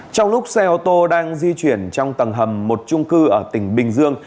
trong lúc xe ô tô đang di chuyển trong tầng hầm một trung cư ở tỉnh bình dương